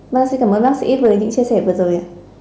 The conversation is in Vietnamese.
bác sĩ cảm ơn bác sĩ với những chia sẻ vừa rồi